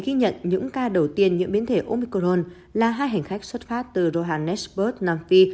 ghi nhận những ca đầu tiên nhiễm biến thể omicoron là hai hành khách xuất phát từ rohannesburg nam phi